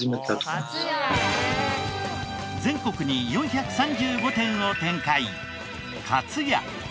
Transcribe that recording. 全国に４３５店を展開。